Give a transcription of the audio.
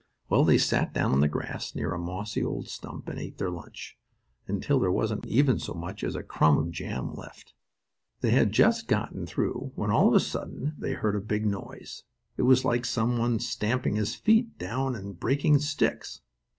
Well, they sat down on the grass, near a mossy old stump, and ate their lunch, until there wasn't even so much as a crumb of a jam tart left. They had just gotten through when, all of a sudden, they heard a big noise. It was like some one stamping his feet down and breaking sticks.